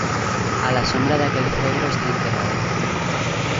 a la sombra de aquel cedro está enterrado.